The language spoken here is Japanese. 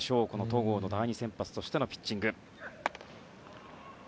戸郷の第２先発としてのピッチング。